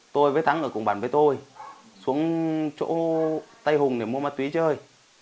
tôi với thắng ở cùng bản với tôi xuống chỗ tây hùng để mua ma túy chơi